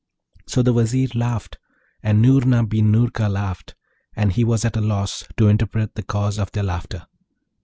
So the Vizier laughed, and Noorna bin Noorka laughed, and he was at a loss to interpret the cause of their laughter.